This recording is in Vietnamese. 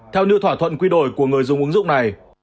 theo như thỏa thuận quy đổi của người dùng ứng dụng này